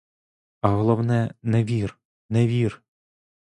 А головне, не вір, не вір!